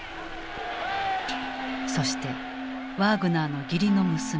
そしてワーグナーの義理の娘